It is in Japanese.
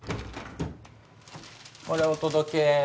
・これお届け。